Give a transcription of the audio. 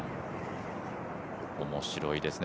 面白いですね。